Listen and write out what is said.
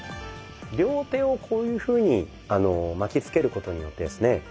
両手をこういうふうに巻きつけることによってですね